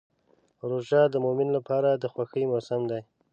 روژه د مؤمن لپاره د خوښۍ موسم دی.